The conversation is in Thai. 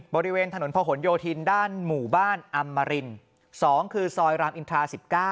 บริเวณถนนพะหนโยธินด้านหมู่บ้านอำมาริน๒คือซอยรามอินทรา๑๙